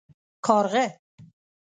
🐦⬛ کارغه